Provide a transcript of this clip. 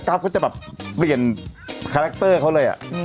อะกัลฟเค้าจะแบบเปลี่ยนคาแรกเตอร์เค้าเลยอ่ะ